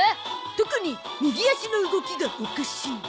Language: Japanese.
特に右足の動きがおかしい。